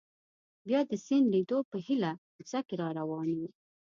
بیا د سیند لیدو په هیله کوڅه کې را روان وو.